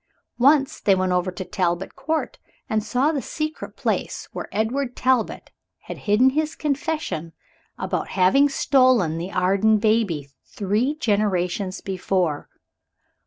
Once they went over to Talbot Court, and saw the secret place where Edward Talbot had hidden his confession about having stolen the Arden baby, three generations before.